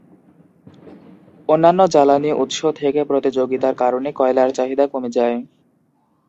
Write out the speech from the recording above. অন্যান্য জ্বালানি উৎস থেকে প্রতিযোগিতার কারণে কয়লার চাহিদা কমে যায়।